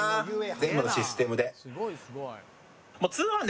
全部のシステムで。